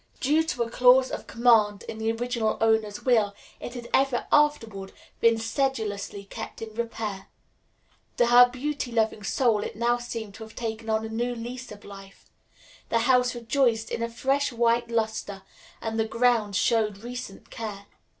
Due to a clause of command in the original owner's will, it had ever afterward been sedulously kept in repair. To her beauty loving soul, it now seemed to have taken on a new lease of life. The house itself rejoiced in a fresh white luster and the grounds showed recent care.